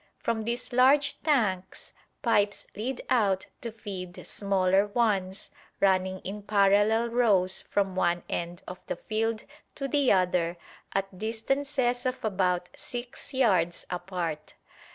From these large tanks pipes lead out to feed smaller ones running in parallel rows from one end of the field to the other at distances of about six yards apart.